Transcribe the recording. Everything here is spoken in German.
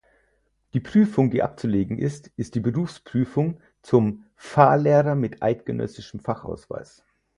Die Prüfung, die abzulegen ist, ist die Berufsprüfung zum "Fahrlehrer mit eidgenössischem Fachausweis".